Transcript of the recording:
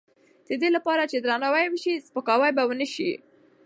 د دې لپاره چې درناوی وشي، سپکاوی به ونه شي.